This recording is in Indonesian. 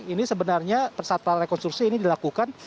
ini sebenarnya saat prarekonstruksi ini dilakukan